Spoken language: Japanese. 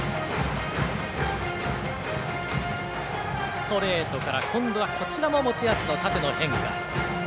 ストレートから、今度はこちらも持ち味の縦の変化。